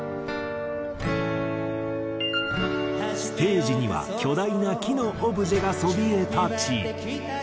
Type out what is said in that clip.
ステージには巨大な木のオブジェがそびえ立ち。